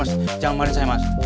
mas ampun mas